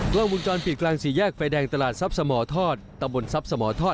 กล้องวงจรปิดกลางสี่แยกไฟแดงตลาดซับสะหมอทอดตำบนซับสะหมอทอด